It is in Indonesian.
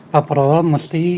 pak pro musti